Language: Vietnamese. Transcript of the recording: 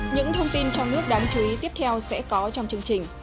những thông tin trong nước đáng chú ý tiếp theo sẽ có trong chương trình